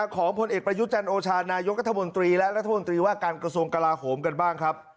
ของผลเอกประยุจันทร์โอชานายกรัฐมนตรีและรัฐมนตรีว่าการกระทรวงกลาโหมกันบ้างครับ